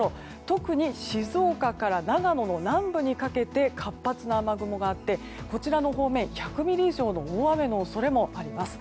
特に静岡から長野の南部にかけて活発な雨雲があってこちらの方面、１００ミリ以上の大雨の恐れもあります。